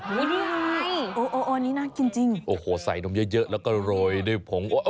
อุ๊ยนี่น่ากินจริงโอ้โหใส่นมเยอะแล้วก็โรยด้วยผง